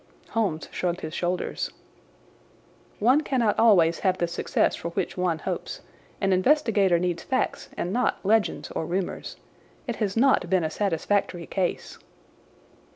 Holmes shrugged his shoulders. "One cannot always have the success for which one hopes. An investigator needs facts and not legends or rumours. It has not been a satisfactory case."